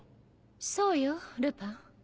そうよルパン。